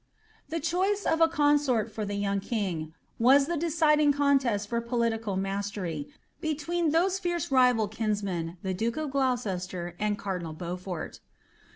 The choice of a consort for the young kin^, was the deciding eonlM for political mastery, between those fierce rival kmamen. tile duke rf Gloncesier and cardinal Beaufort.